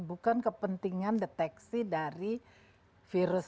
bukan kepentingan deteksi dari virus